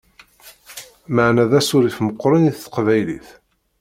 Meεna d asurif meqqren i teqbaylit!